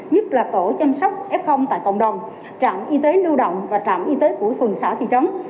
nhất là tổ chăm sóc f tại cộng đồng trạm y tế lưu động và trạm y tế của phường xã thị trấn